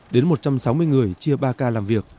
đến một trăm sáu mươi người chia ba ca làm việc